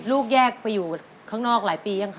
แยกไปอยู่ข้างนอกหลายปียังคะ